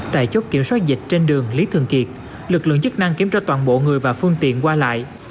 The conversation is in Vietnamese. tại chốt kiểm soát dịch trên đường lý thường kiệt lực lượng chức năng kiểm tra toàn bộ người và phương tiện qua lại